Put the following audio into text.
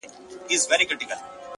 • سردونو ویښ نه کړای سو ـ